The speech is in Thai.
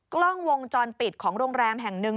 กล้องวงจรปิดของโรงแรมแห่งหนึ่ง